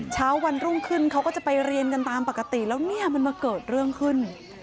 เช้าวันรุ่งขึ้นเขาก็จะไปเรียนกันตามปกติแล้วเนี่ยมันมาเกิดเรื่องขึ้น